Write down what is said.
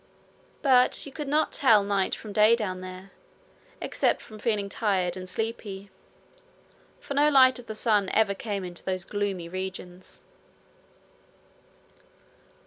But you could not tell night from day down there, except from feeling tired and sleepy; for no light of the sun ever came into those gloomy regions.